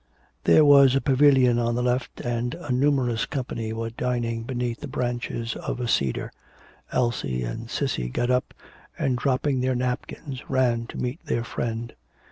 There was a pavilion on the left and a numerous company were dining beneath the branches of a cedar. Elsie and Cissy got up, and dropping their napkins ran to meet their friend.